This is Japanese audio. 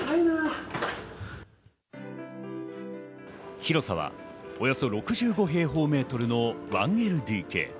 広さはおよそ６５平方メートルの１ＬＤＫ。